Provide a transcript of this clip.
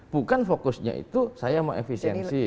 bukan fokusnya itu saya mau efisiensi